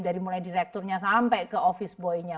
dari mulai direkturnya sampai ke office boy nya